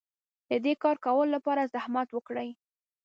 د دې کار کولو لپاره زحمت وکړئ.